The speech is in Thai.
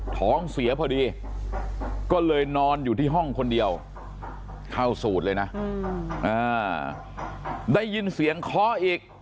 ท้องเสียพอดีก็เลยนอนอยู่ที่ห้องคนเดียวเข้าสูตรเลยนะได้ยินเสียงเคาะอีก